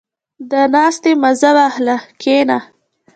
• د ناستې مزه واخله، کښېنه.